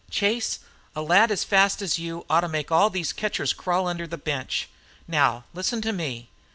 "Chase, a lad as fast as you ought to make all these catchers crawl under the bench. Now, listen to me.